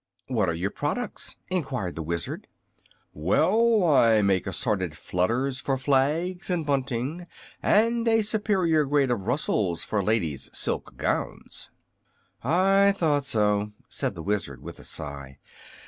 "What are your products?" enquired the Wizard. "Well, I make Assorted Flutters for flags and bunting, and a superior grade of Rustles for ladies' silk gowns." "I thought so," said the Wizard, with a sigh.